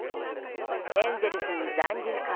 エンゼルスに残留か